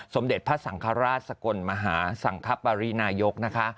สมเด็จพระสังฆราชสกลมหาสังคปรินายกนะคะ